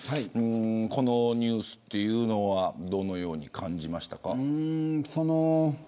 このニュースはどのように感じましたか。